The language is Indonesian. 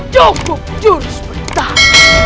cukup jurus bertahun